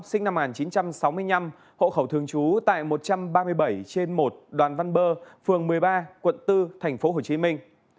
sinh năm một nghìn chín trăm sáu mươi năm hộ khẩu thường trú tại một trăm ba mươi bảy trên một đoàn văn bơ phường một mươi ba quận bốn thành phố hồ chí minh